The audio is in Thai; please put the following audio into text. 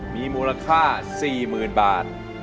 มีมูลค่าสี่หมื่นบาท